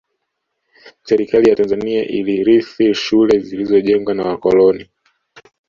Serikali ya Tanzania ilirithi shule zilizojengwa na wakoloni